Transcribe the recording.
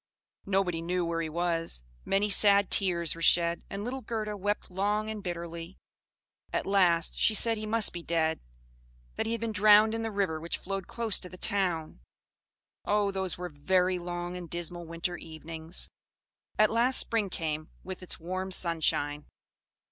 Nobody knew where he was; many sad tears were shed, and little Gerda wept long and bitterly; at last she said he must be dead; that he had been drowned in the river which flowed close to the town. Oh! those were very long and dismal winter evenings! At last spring came, with its warm sunshine.